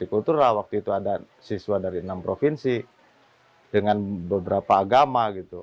di kultur lah waktu itu ada siswa dari enam provinsi dengan beberapa agama gitu